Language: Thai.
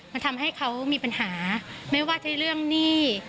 มันทำให้เขามีปัญหาไม่ว่าจะเรื่องหนี้